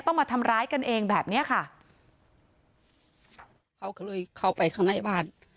มาทำร้ายกันเองแบบเนี้ยค่ะเขาก็เลยเข้าไปข้างในบ้าน